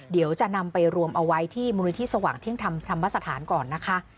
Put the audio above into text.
เดี๋ยวจะนำไปรวมเอาไว้ที่มูลนิธิสว่างเที่ยงธรรมสถานก่อนนะคะ